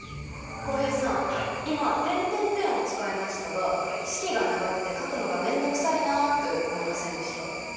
浩平さん今「」を使いましたが式が長くて書くのが面倒くさいなって思いませんでした？